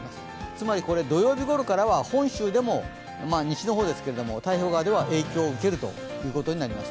つまりこれ、土曜日ごろからは本州でも、西の方ですけれども台風側では影響を受けるということになります。